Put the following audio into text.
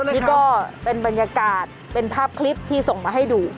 นี่ก็เป็นบรรยากาศเป็นภาพคลิปที่ส่งมาให้ดู